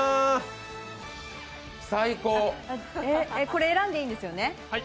これ選んでいいんですよね。